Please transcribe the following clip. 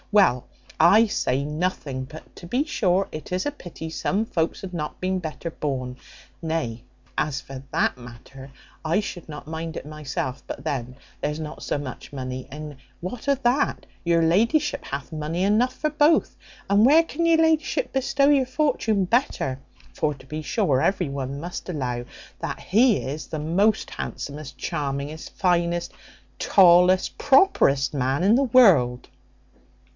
Well, I say nothing; but to be sure it is a pity some folks had not been better born; nay, as for that matter, I should not mind it myself; but then there is not so much money; and what of that? your la'ship hath money enough for both; and where can your la'ship bestow your fortune better? for to be sure every one must allow that he is the most handsomest, charmingest, finest, tallest, properest man in the world."